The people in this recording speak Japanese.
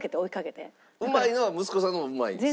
うまいのは息子さんの方がうまいんですか？